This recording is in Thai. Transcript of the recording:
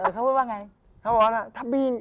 เขาพูดว่าไง